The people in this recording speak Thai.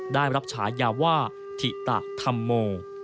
ได้รับฉายาว่าถิตธรรมโม